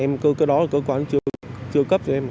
em cứ cái đó cơ quan chưa cấp cho em